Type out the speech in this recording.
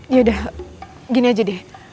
yaudah gini aja deh